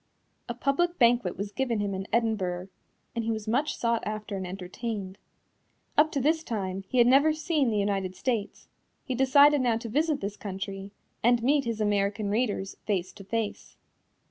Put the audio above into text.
A public banquet was given him in Edinburgh, and he was much sought after and entertained. Up to this time he had never seen the United States; he decided now to visit this country and meet his American readers face to face.